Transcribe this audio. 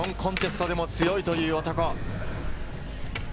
無論、コンテストでも強いという男。